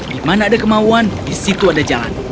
di mana ada kemauan di situ ada jalan